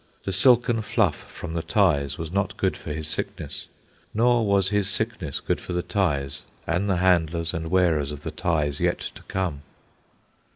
The silken fluff from the ties was not good for his sickness; nor was his sickness good for the ties, and the handlers and wearers of the ties yet to come.